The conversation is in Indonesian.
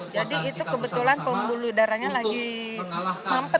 jadi itu kebetulan pembuluh darahnya lagi mampet